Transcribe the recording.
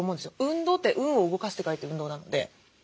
運動って運を動かすと書いて運動なので。